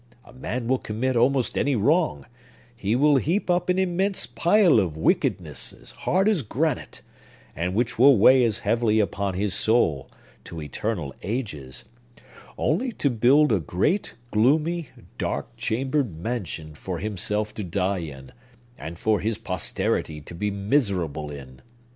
A man will commit almost any wrong,—he will heap up an immense pile of wickedness, as hard as granite, and which will weigh as heavily upon his soul, to eternal ages,—only to build a great, gloomy, dark chambered mansion, for himself to die in, and for his posterity to be miserable in.